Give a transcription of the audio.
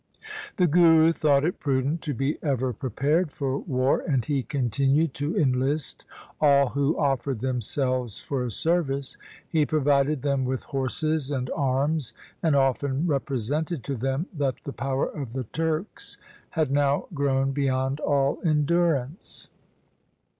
The Guru thought it prudent to be ever prepared for war, and he continued to enlist all who offered themselves for service. He provided them with horses and arms, and often represented to them that the power of the Turks had now grown beyond all endurance.